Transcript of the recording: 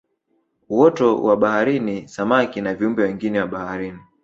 Uoto wa baharini samaki na viumbe wengine wa baharini